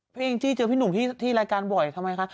เองจี้เจอพี่หนุ่มที่รายการบ่อยทำไมคะ